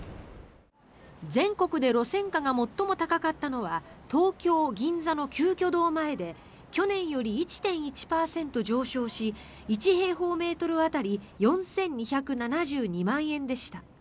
全国で路線価が最も高かったのは東京・銀座の鳩居堂前で去年より１．１％上昇し１平方メートル当たり４２７２万円でした。